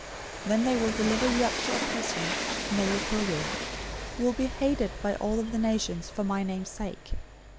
024:009 Then they will deliver you up to oppression, and will kill you. You will be hated by all of the nations for my name's sake.